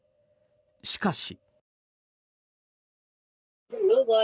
しかし。